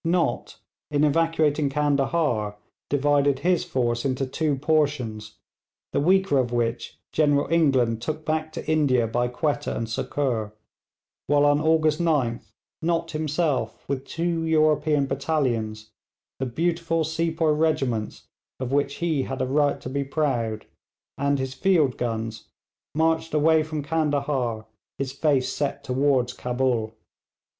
Nott, in evacuating Candahar, divided his force into two portions, the weaker of which General England took back to India by Quetta and Sukkur, while on August 9th Nott himself, with two European battalions, the 'beautiful sepoy regiments' of which he had a right to be proud, and his field guns, marched away from Candahar, his face set towards Cabul.